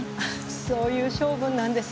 そういう性分なんです。